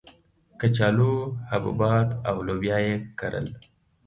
کچالو، حبوبات او لوبیا یې کرل.